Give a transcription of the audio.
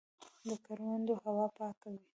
د کروندو هوا پاکه وي.